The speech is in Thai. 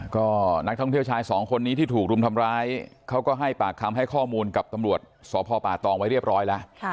ก็นักท่องเที่ยวชายสองคนนี้ที่ถูกรุมทำร้ายเขาก็ให้ปากคำให้ข้อมูลกับตำรวจสพป่าตองไว้เรียบร้อยแล้ว